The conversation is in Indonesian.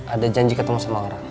ada janji ketemu sama orang